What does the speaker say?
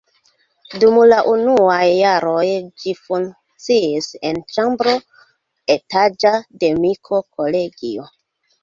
Dum la unuaj jaroj ĝi funkciis en ĉambro etaĝa de Miko-kolegio.